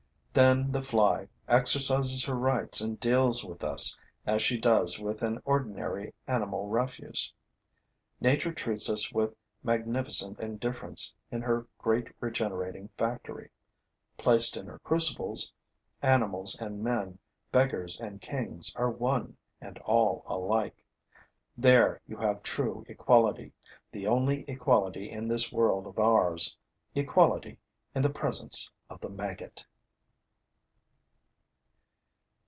Then the fly exercises her rights and deals with us as she does with any ordinary animal refuse. Nature treats us with magnificent indifference in her great regenerating factory: placed in her crucibles, animals and men, beggars and kings are one and all alike. There you have true equality, the only equality in this world of ours: equality in the presence of the maggot.